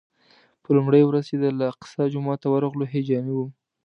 په لومړۍ ورځ چې د الاقصی جومات ته ورغلو هیجاني وم.